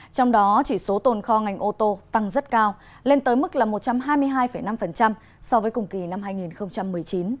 trong đó chỉ số tồn kho ngành ô tô tăng rất cao lên tới mức là một trăm hai mươi hai năm so với cùng kỳ năm hai nghìn một mươi chín